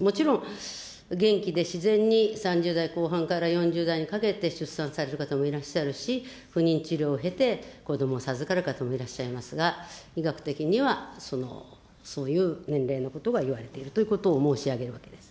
もちろん、元気で自然に３０代後半から４０代にかけて出産される方もいらっしゃるし、不妊治療を経て、子どもを授かる方もいらっしゃいますが、医学的には、その、そういう年齢のことが言われているということを申し上げるわけです。